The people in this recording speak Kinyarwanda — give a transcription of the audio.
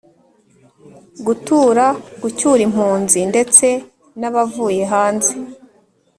gutura gucyura impunzi ndetse nabavuye hanze